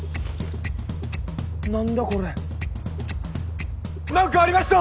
何だこれ何かありました！